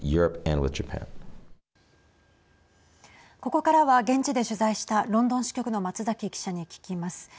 ここからは現地で取材したロンドン支局の松崎記者に聞きます。